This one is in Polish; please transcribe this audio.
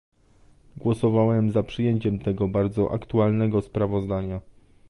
Głosowałem za przyjęciem tego bardzo aktualnego sprawozdania